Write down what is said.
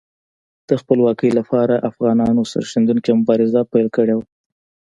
د خپلواکۍ لپاره افغانانو سرښندونکې مبارزه پیل کړې وه.